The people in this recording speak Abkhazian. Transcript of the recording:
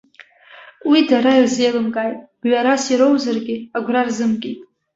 Уи дара ирзеилымкааит, гәҩарас ироузаргьы, агәра рзымгеит.